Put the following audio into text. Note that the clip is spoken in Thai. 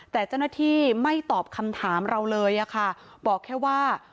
แต่เจ้าหน้าที่ไม่ตอบคำถามเราเลยอะค่ะบอกแค่ว่า